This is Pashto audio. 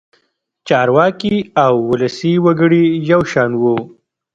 چارواکي او ولسي وګړي یو شان وو.